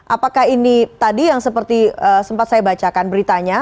apakah ini tadi yang seperti sempat saya bacakan beritanya